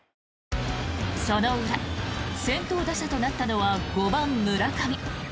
その裏、先頭打者となったのは５番、村上。